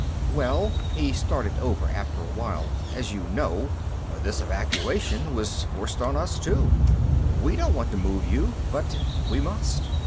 "Well," he started over, after a while, "as you know, this evacuation was forced on us, too. We don't want to move you, but we must."